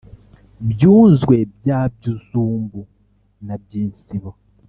byunzwe bya byuzumbu na byinsibo